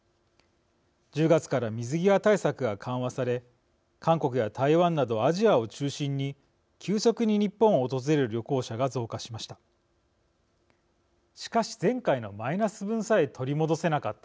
１０月から水際対策が緩和され韓国や台湾などアジアを中心に急速に日本を訪れる旅行者が増加しました。